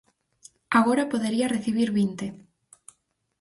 Agora podería recibir vinte.